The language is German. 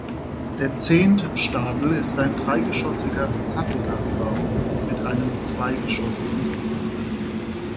Der Zehentstadel ist ein dreigeschossiger Satteldachbau mit einem zweigeschossigen Giebel.